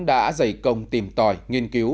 đã giày công tìm tòi nghiên cứu